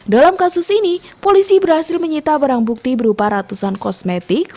dalam kasus ini polisi berhasil menyita barang bukti berupa ratusan kosmetik